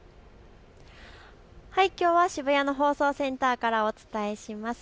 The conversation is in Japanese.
きょうは渋谷の放送センターからお伝えします。